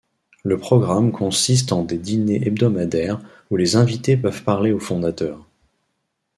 Le programme consiste en des diners hebdomadaires où les invités peuvent parler aux fondateurs.